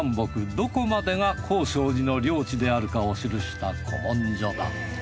どこまでが興正寺の領地であるかを記した古文書だ